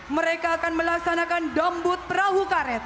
mereka akan melaksanakan dombut perahu karet